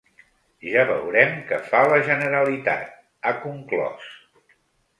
“Ja veurem què fa la Generalitat”, ha conclòs.